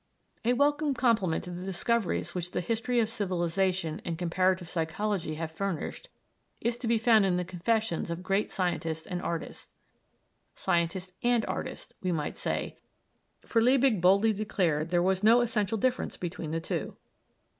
A welcome complement to the discoveries which the history of civilisation and comparative psychology have furnished, is to be found in the confessions of great scientists and artists. Scientists and artists, we might say, for Liebig boldly declared there was no essential difference between the two.